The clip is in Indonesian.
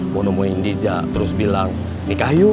mau nemuin diza terus bilang nikah yuk